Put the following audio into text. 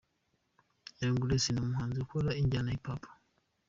Young Grace: ni umuhanzi ukora injyana ya Hip Hop.